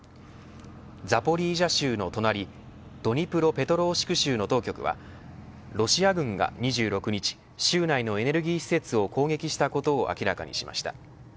ザポリージャ州の隣ドニプロペトロウシク州の当局はロシア軍が２６日、州内のエネルギー施設を攻撃したことを明らかにしました。